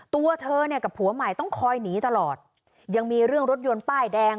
ตัวเธอเนี่ยกับผัวใหม่ต้องคอยหนีตลอดยังมีเรื่องรถยนต์ป้ายแดง